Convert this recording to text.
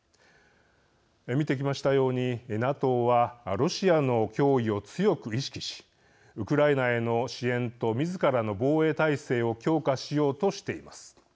見てきましたようにＮＡＴＯはロシアの脅威を強く意識しウクライナへの支援とみずからの防衛態勢を強化しようとしています。